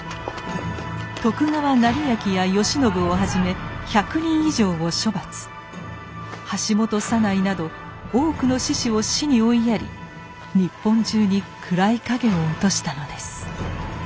徳川斉昭や慶喜をはじめ１００人以上を処罰橋本左内など多くの志士を死に追いやり日本中に暗い影を落としたのです。